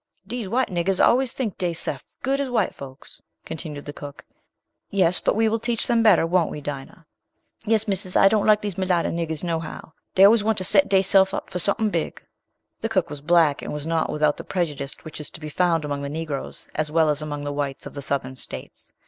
"Dees white niggers always tink dey sef good as white folks," continued the cook. "Yes, but we will teach them better; won't we, Dinah?" "Yes, missus, I don't like dees mularter niggers, no how: dey always want to set dey sef up for something big." The cook was black, and was not without that prejudice which is to be found among the Negroes, as well as among the whites of the Southern States.